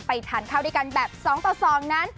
ทานข้าวด้วยกันแบบ๒ต่อ๒นั้น